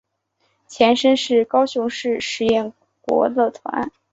前身是高雄市实验国乐团。